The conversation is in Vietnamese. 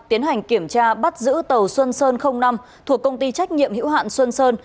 tiến hành kiểm tra bắt giữ tàu xuân sơn năm thuộc công ty trách nhiệm hữu hạn xuân sơn